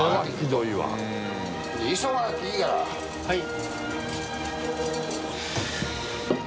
はい。